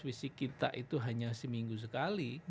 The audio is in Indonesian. visi kita itu hanya seminggu sekali